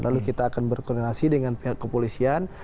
lalu kita akan berkoordinasi dengan pihak kepolisian